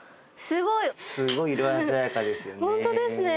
すごい色鮮やかですよね。